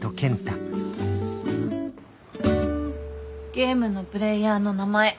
ゲームのプレーヤーの名前